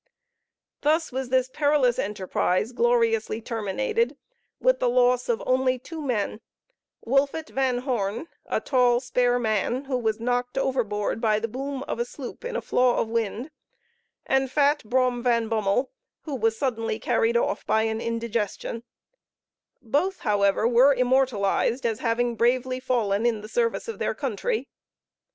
Thus was this perilous enterprise gloriously terminated, with the loss of only two men Wolfet Van Horne, a tall spare man, who was knocked overboard by the boom of a sloop in a flaw of wind, and fat Brom Van Bummel, who was suddenly carried off by an indigestion; both, however, were immortalized as having bravely fallen in the service of their country.